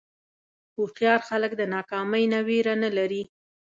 هوښیار خلک د ناکامۍ نه وېره نه لري.